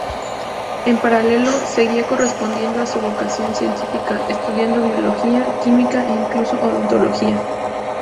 En paralelo, seguía respondiendo a su vocación científica, estudiando biología, química e incluso odontología.